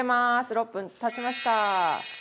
６分たちました。